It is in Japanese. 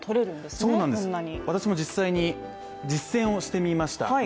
私も実際に実践をしてみました。